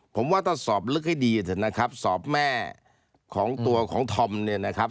ผมว่าถ้าสอบลึกให้ดีเถอะนะครับสอบแม่ของตัวของธอมเนี่ยนะครับ